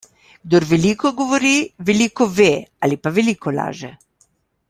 Kdor veliko govori, veliko ve ali pa veliko laže.